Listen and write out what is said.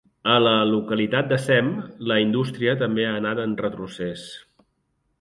A la localitat de Sem la indústria també ha anat en retrocés.